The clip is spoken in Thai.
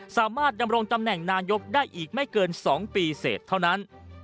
สามารถดำรงตำแหน่งนายกได้อีกไม่เกิน๒ปีเสร็จเท่านั้น